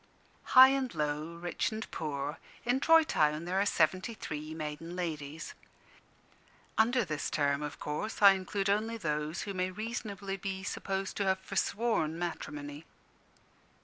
High and low, rich and poor, in Troy Town there are seventy three maiden ladies. Under this term, of course, I include only those who may reasonably be supposed to have forsworn matrimony.